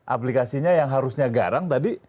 aplikasinya yang harusnya garang tadi